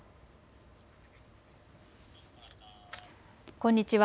こんにちは。